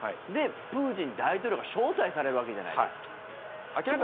で、プーチン大統領が招待されるわけじゃないですか。